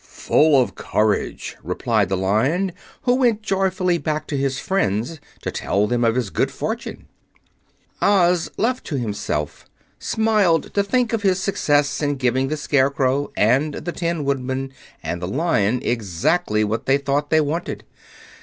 "Full of courage," replied the Lion, who went joyfully back to his friends to tell them of his good fortune. Oz, left to himself, smiled to think of his success in giving the Scarecrow and the Tin Woodman and the Lion exactly what they thought they wanted.